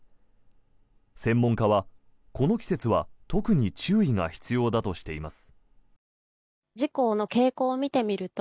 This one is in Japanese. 専門家は、この季節は特に注意が必要だとしています。